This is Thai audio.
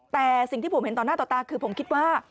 แต่สิ่งที่ผมเห็นต่อหน้าต่อตาคือผมคิดว่า